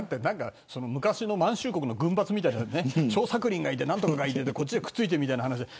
昔の満州国の軍閥みたいな張作霖がいて何とかがいてこっちでくっついてみたいな話。